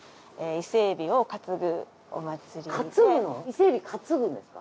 伊勢エビ担ぐんですか？